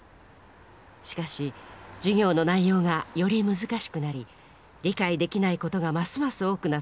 しかし授業の内容がより難しくなり理解できないことがますます多くなっていきました。